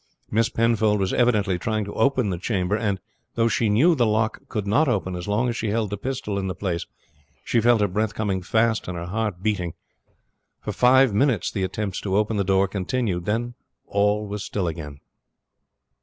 Miss Penfold was evidently trying to open the chamber; and, though she knew the lock could not open so long as she held the pistol in the place, she felt her breath coming fast and her heart beating. For five minutes the attempts to open the door continued. Then all was still again.